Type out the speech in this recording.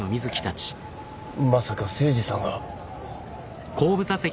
まさか誠司さんが。